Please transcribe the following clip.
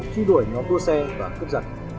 chuy đuổi nhóm đua xe và cướp giật